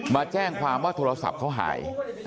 มาแจ้งความว่าโทรศัพท์เขาหาย